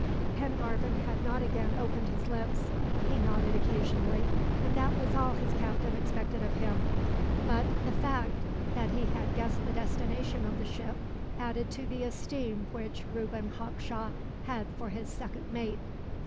Pengarvan had not again opened his lips. He nodded occasionally, and that was all his captain expected of him; but the fact that he had guessed the destination of the ship, added to the esteem which Reuben Hawkshaw had for his second mate.